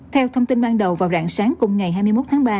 theo thông tin ban đầu vào rạng sáng cùng ngày hai mươi một tháng ba